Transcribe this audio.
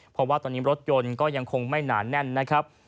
เพราะว่าตอนนี้รถยนต์ก็ยังคงไม่หนาแน่นนะครับ